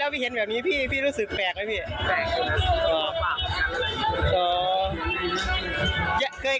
พี่เห็นแบบนี้พี่รู้สึกแปลกไหมพี่